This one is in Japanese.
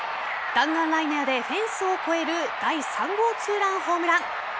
弾丸ライナーでフェンスを越える第３号２ランホームラン。